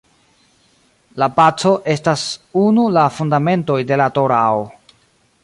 La paco estas unu la fundamentoj de la Torao.